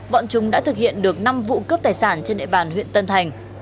bọn chúng đã thực hiện được năm vụ cướp tài sản trên địa bàn huyện tân thành